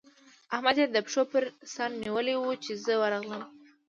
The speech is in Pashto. احمد يې د پښو پر سره نيولی وو؛ چې زه ورغلم.